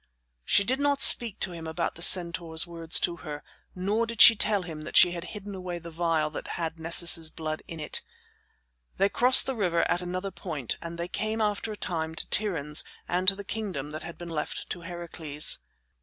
She did not speak to him about the centaur's words to her, nor did she tell him that she had hidden away the phial that had Nessus's blood in it. They crossed the river at another point and they came after a time to Tiryns and to the kingdom that had been left to Heracles.